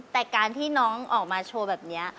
แต่การที่น้องออกมาโชว์แบบนี้